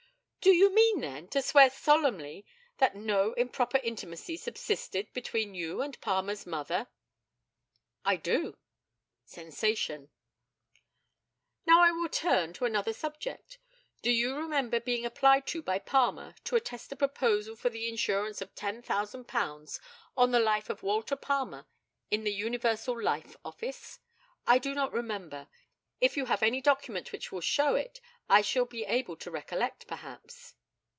Do you mean, then, to swear solemnly that no improper intimacy subsisted between you and Palmer's mother? I do [sensation]. Now I will turn to another subject. Do you remember being applied to by Palmer to attest a proposal for an insurance of £10,000 on the life of Walter Palmer in the Universal Life Office? I do not remember; if you have any document which will show it I shall be able to recollect, perhaps.